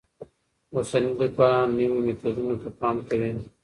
اوسني لیکوالان نویو میتودونو ته پام کوي.